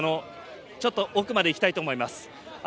ちょっと奥まで行きたいと思います。